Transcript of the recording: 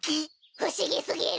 ふしぎすぎる！